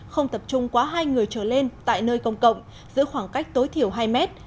không tập trung quá hai người trở lên tại nơi công cộng giữa khoảng cách tối thiểu hai mét